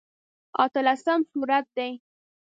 اتلسم سورت دی.